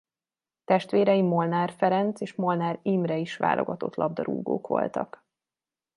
Testvérei Molnár Ferenc és Molnár Imre is válogatott labdarúgók voltak.